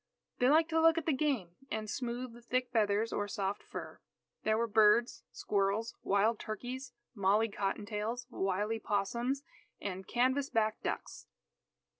They liked to look at the game, and smooth the thick feathers or soft fur. There were birds, squirrels, wild turkeys, molly cotton tails, wily 'possums, and canvas back ducks.